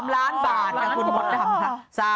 ๓ล้านบาทคุณพลังค่ะ